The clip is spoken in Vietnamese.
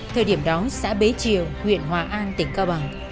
thời điểm đó xã bế triều huyện hòa an tỉnh cao bằng